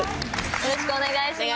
よろしくお願いします。